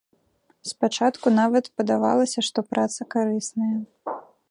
Спачатку нават падавалася, што праца карысная.